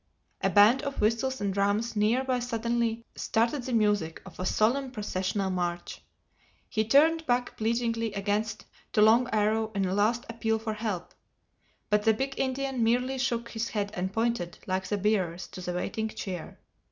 A band of whistles and drums near by suddenly started the music of a solemn processional march. He turned back pleadingly again to Long Arrow in a last appeal for help. But the big Indian merely shook his head and pointed, like the bearers, to the waiting chair.